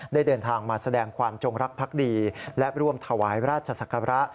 เดินทางมาแสดงความจงรักภักดีและร่วมถวายราชศักระ